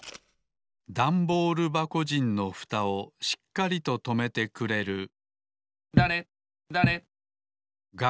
ダンボールばこじんのふたをしっかりととめてくれるだれだれ。